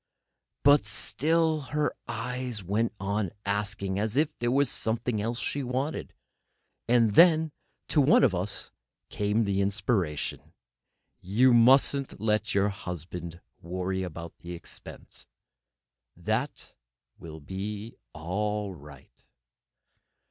But still her eyes went on asking, as if there were something else she wanted. And then to one of us came an inspiration: "You mustn't let your husband worry about expense. That will be all right."